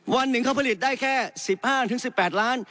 วันหนึ่งเขาผลิตได้แค่๑๕๑๘ล้าน